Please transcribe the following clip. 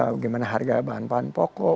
bagaimana harga bahan bahan pokok